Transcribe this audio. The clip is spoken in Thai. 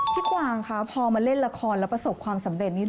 กวางคะพอมาเล่นละครแล้วประสบความสำเร็จนี่